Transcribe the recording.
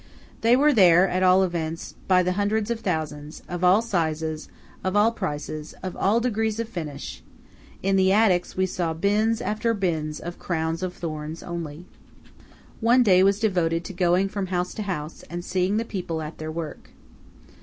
They were there, at all events, by hundreds of thousands, of all sizes, of all prices, of all degrees of finish. In the attics we saw bins after bins of crowns of thorns only. One day was devoted to going from house to house, and seeing the people at their work.